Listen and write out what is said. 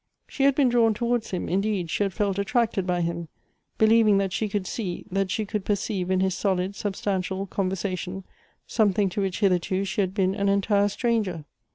She had been drawn towards him ; indeed, she had felt attracted by him ; believing that she could see, that she could per ceive in his solid, substantial conversation, something to which hitherto she had been an entire stranger.